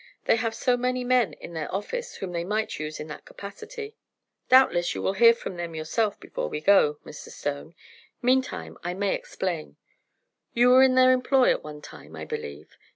They have so many men in their office whom they might use in that capacity." "Doubtless you will hear from them yourself before we go, Mr. Stone. Meantime, I may explain. You were in their employ at one time, I believe?"